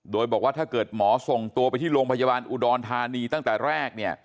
โดยบอกว่าถ้าเกิดหมอส่งตัวไปที่โรงพยาบาลอุดรธานีตั้งแต่แรกเนี่ย